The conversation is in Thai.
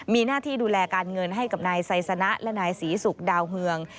มีหน้าที่ดูแลการเงินให้กับนายไซสนะและนายศรีศุกร์ดาวเฮือง